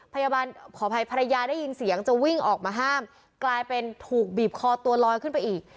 ขออภัยภรรยาได้ยินเสียงจะวิ่งออกมาห้ามกลายเป็นถูกบีบคอตัวลอยขึ้นไปอีก